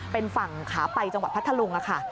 เป็นฝั่งขาไปจังหวัดพัทธลุงค่ะ